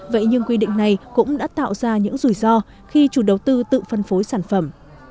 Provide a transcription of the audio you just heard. vậy nhưng quy định này cũng đã tạo ra những rủi ro khi chủ đầu tư tự phân phối sản phẩm